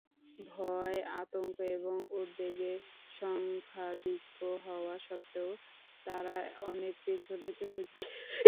ভয়-আতঙ্ক এবং উদ্বেগে সংখ্যাধিক্য হওয়া সত্ত্বেও তারা অনেক পেছনে চলে যায়।